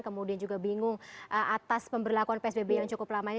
kemudian juga bingung atas pemberlakuan psbb yang cukup lama ini